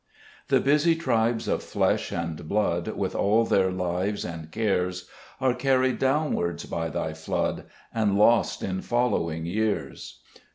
5 The busy tribes of flesh and blood, With all their lives and cares, Are carried downwards by Thy flood, And lost in following years.